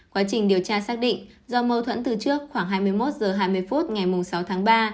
quá trình điều tra xác định do mâu thuẫn từ trước khoảng hai mươi một h hai mươi phút ngày sáu tháng ba